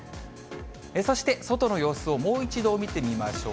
そして外の様子をもう一度見てみましょう。